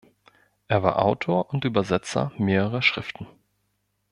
Er war Autor und Übersetzer mehrerer Schriften.